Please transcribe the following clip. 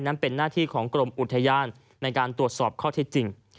นั้นเป็นหน้าที่ของกรมอุทยานในการตรวจสอบข้อเท็จจริง